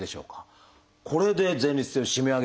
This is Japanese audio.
これで前立腺を締め上げるわけですね。